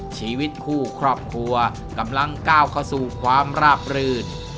ชีวิตคู่ครอบครัวกำลังก้าวเข้าสู่ความราบรื่น